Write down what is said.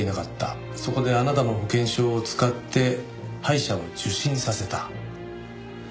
そこであなたの保険証を使って歯医者を受診させた。